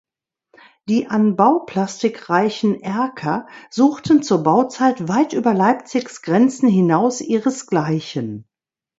Die an Bauplastik reichen Erker suchten zur Bauzeit weit über Leipzigs Grenzen hinaus ihresgleichen.